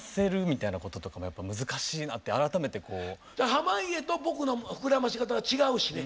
濱家と僕の膨らまし方は違うしね。